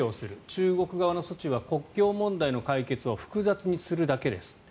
中国側の措置は国境問題の解決を複雑にするだけです。